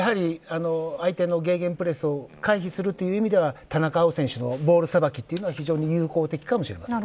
相手のゲーゲンプレスを回避するという意味では田中碧選手のボールさばきは非常に有効かもしれません。